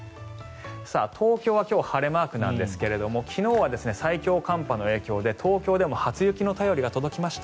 東京は今日晴れマークなんですが昨日は最強寒波の影響で東京でも初雪の便りが届きました。